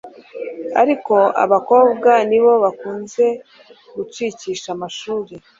ariko abakobwa nibo bakunze gucikisha amashuri